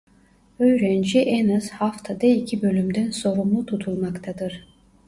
Öğrenci en az haftada iki bölümden sorumlu tutulmaktadır.